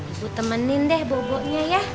ibu temenin deh bobonya ya